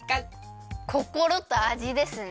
こころとあじですね。